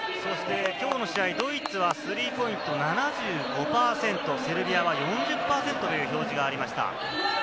きょうの試合、ドイツはスリーポイント７５％、セルビアは４０％という表示がありました。